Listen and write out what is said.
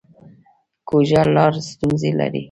کوږه لار ستونزې لري